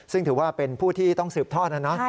ซึ่งถือว่าเป็นผู้ที่ต้องสืบทอดนะนะ